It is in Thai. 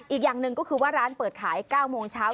อีกอย่างหนึ่งก็คือว่าร้านเปิดขาย๙โมงเช้า